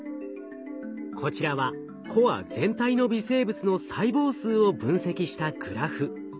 こちらはコア全体の微生物の細胞数を分析したグラフ。